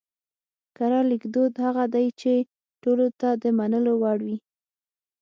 کره ليکدود هغه دی چې ټولو ته د منلو وړ وي